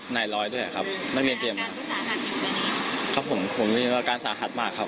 นายร้อยด้วยอ่ะครับนักเรียนเตรียมมากครับผมผมเรียนว่าการสาหัสมากครับ